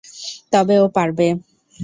তবে ও পারবে!